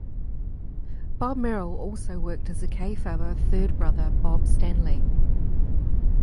Bob Merrill also worked as a kayfabe third brother, Bob Stanlee.